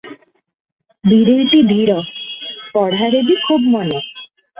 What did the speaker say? ବୀରେଇଟି ଧୀର, ପଡ଼ଢ଼ାରେ ବି ଖୁବ ମନ ।